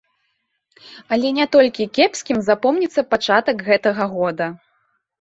Але не толькі кепскім запомніцца пачатак гэтага года.